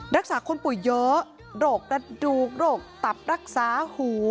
รักษาคนป่วยเยอะโรคกระดูกโรคตับรักษาหู